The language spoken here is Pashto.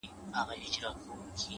عاجزي د لویوالي نښه ده